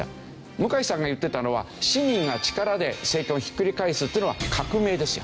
向井さんが言ってたのは市民が力で政権をひっくり返すっていうのは革命ですよ。